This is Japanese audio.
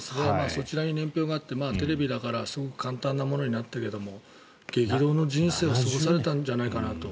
そちらに年表があってテレビだからすごく簡単なものになっているけれど激動の人生を過ごされたんじゃないかなと。